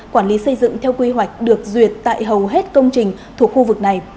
quản lý xây dựng theo quy hoạch được duyệt tại hầu hết công trình thuộc khu vực này